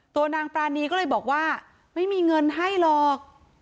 ตัวนางปรานีก็เลยบอกว่าไม่มีเงินให้หรอก